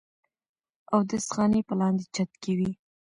اودس خانې پۀ لاندې چت کښې وې